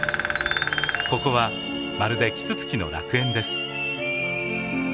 ここはまるでキツツキの楽園です。